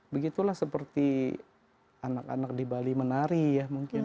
begitulah seperti anak anak di bali menari ya mungkin